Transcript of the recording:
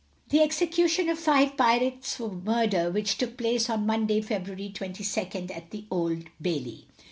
The Execution of Five Pirates, for Murder, which took place on Monday, February 22nd, at the Old Bailey.